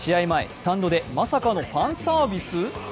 前、スタンドでまさかのファンサービス？